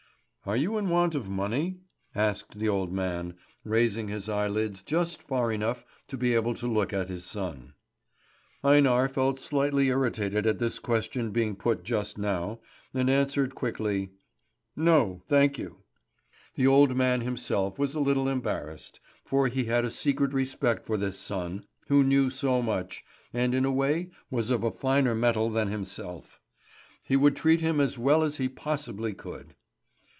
"Are you in want of money?" asked the old man, raising his eyelids just far enough to be able to look at his son. Einar felt slightly irritated at this question being put just now, and answered quickly: "No, thank you!" The old man himself was a little embarrassed; for he had a secret respect for this son, who knew so much, and in a way was of a finer metal than himself. He would treat him as well as he possibly could.